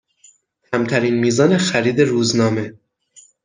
کمترین میزان خرید روزنامه